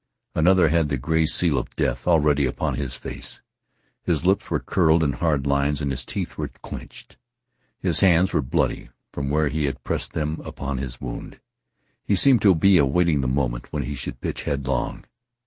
Another had the gray seal of death already upon his face. His lips were curled in hard lines and his teeth were clinched. His hands were bloody from where he had pressed them upon his wound. He seemed to be awaiting the moment when he should pitch headlong.